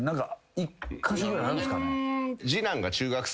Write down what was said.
１カ所ぐらいあんすかね？